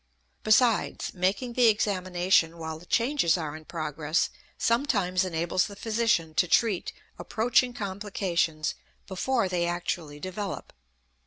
Besides, making the examination while the changes are in progress sometimes enables the physician to treat approaching complications before they actually develop.